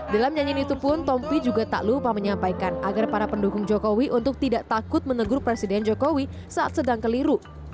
dalam nyanyian itu pun tompi juga tak lupa menyampaikan agar para pendukung jokowi untuk tidak takut menegur presiden jokowi saat sedang keliru